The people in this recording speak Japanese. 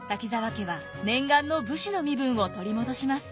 家は念願の武士の身分を取り戻します。